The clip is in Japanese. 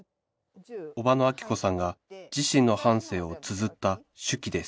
伯母のアキ子さんが自身の半生をつづった手記です